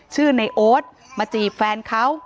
ในโอ๊ตมาจีบแฟนเขา